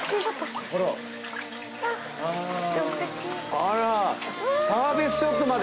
あらサービスショットまで。